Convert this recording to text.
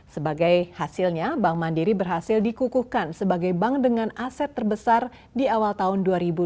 sebagai hasilnya bank mandiri berhasil dikukuhkan sebagai bank dengan aset terbesar di awal tahun dua ribu dua puluh